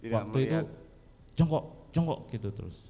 waktu itu jongkok jongkok gitu terus